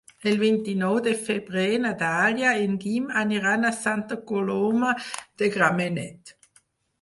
El vint-i-nou de febrer na Dàlia i en Guim aniran a Santa Coloma de Gramenet.